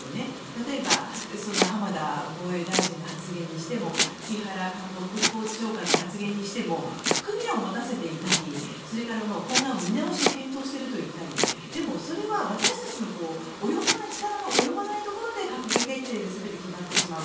例えば浜田防衛大臣の発言にしても木原官房副長官の発言にしても含みを持たせていたりそれから今後、見直しを検討していると言ったりでも、それは私たちの力の及ばないところで閣議決定で全て決まってしまう。